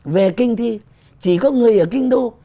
về kinh thì chỉ có người ở kinh đô